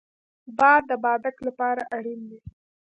باد د بادک لپاره اړین دی